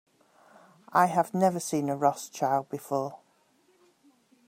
I have never seen a Rothschild before.